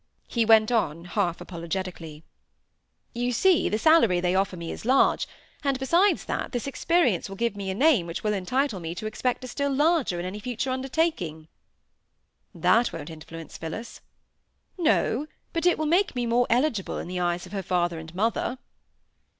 He went on, half apologetically,— "You see, the salary they offer me is large; and beside that, this experience will give me a name which will entitle me to expect a still larger in any future undertaking." "That won't influence Phillis." "No! but it will make me more eligible in the eyes of her father and mother."